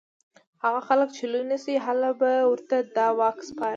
هغه هلک چې لوی شي نو هله به ورته دا واک سپارم